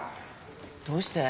どうして？